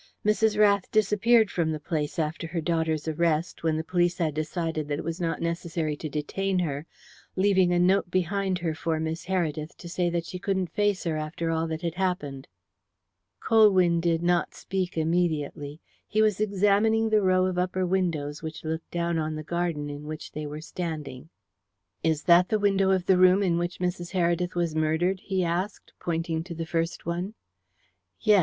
Mrs. Rath disappeared from the place after her daughter's arrest, when the police had decided that it was not necessary to detain her, leaving a note behind her for Miss Heredith to say that she couldn't face her after all that had happened." Colwyn did not speak immediately. He was examining the row of upper windows which looked down on the garden in which they were standing. "Is that the window of the room in which Mrs. Heredith was murdered?" he asked, pointing to the first one. "Yes.